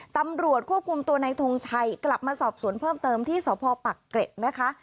ตามรวจโฆภูมิตัวนายทงชัยกลับมาสอบสวนเพิ่มเติมที่สภปักเกรทนะคะ